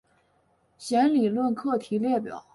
弦理论课题列表。